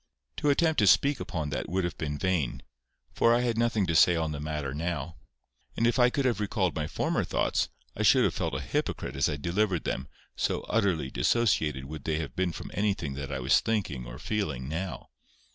To attempt to speak upon that would have been vain, for I had nothing to say on the matter now. And if I could have recalled my former thoughts, I should have felt a hypocrite as I delivered them, so utterly dissociated would they have been from anything that I was thinking or feeling now.